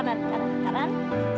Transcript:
satu dulu kanan